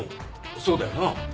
そうだよな。